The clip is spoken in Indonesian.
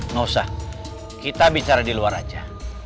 nggak usah kita bicara di luar saja